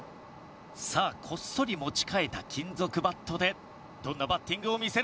さあこっそり持ち替えた金属バットでどんなバッティングを見せるのか？